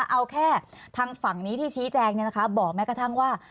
เอาแค่ทางฝั่งนี้ที่ชี้แจงบอกแม้กระทั่งว่า